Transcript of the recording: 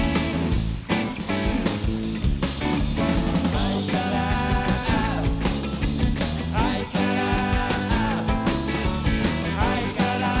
「はいからはいからはいから」